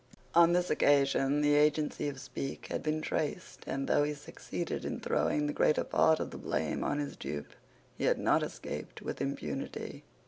On this occasion the agency of Speke had been traced and, though he succeeded in throwing the greater part of the blame on his dupe, he had not escaped with impunity.